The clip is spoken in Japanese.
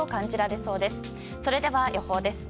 それでは予報です。